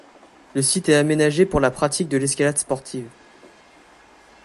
Le site est aménagé pour la pratique de l'escalade sportive.